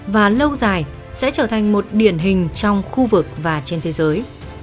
và hiện tại sẽ trở thành một điển hình trong khu vực và trên thế giới